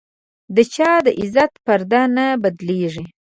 د چا د عزت پرده نه بدلېږي.